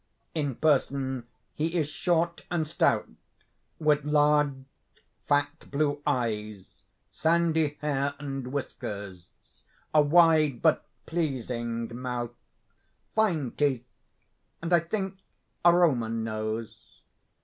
In person, he is short and stout, with large, fat, blue eyes, sandy hair and whiskers, a wide but pleasing mouth, fine teeth, and I think a Roman nose.